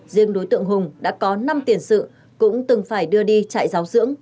riêng đối tượng hùng đã có năm tiền sự cũng từng phải đưa đi trại giáo dưỡng